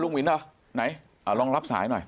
วินเหรอไหนลองรับสายหน่อย